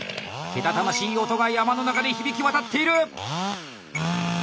けたたましい音が山の中で響きわたっている！